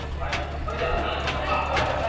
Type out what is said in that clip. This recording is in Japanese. それじゃあ、いきましょうか。